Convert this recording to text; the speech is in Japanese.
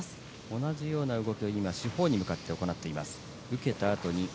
同じような動きを四方に向かって行っています。